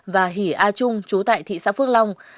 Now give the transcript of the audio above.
và hỷ a trung chú tại thị xã phước long